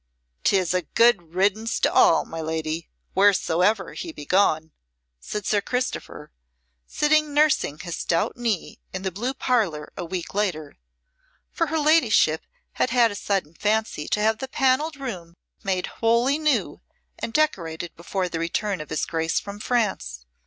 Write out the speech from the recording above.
"'Tis a good riddance to all, my lady, wheresoever he be gone," said Sir Christopher, sitting nursing his stout knee in the blue parlour a week later (for her ladyship had had a sudden fancy to have the panelled room made wholly new and decorated before the return of his Grace from France).